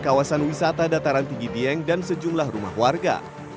kawasan wisata dataran tinggi dieng dan sejumlah rumah warga